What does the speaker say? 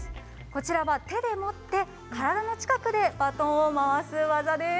こちらは手で持って体の近くでバトンを回す技です。